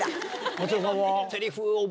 松也さんは。